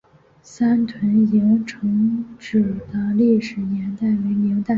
三屯营城址的历史年代为明代。